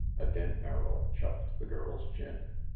Again Merrill chucked the girl's chin.